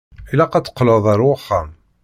Ilaq ad teqqleḍ ar wexxam.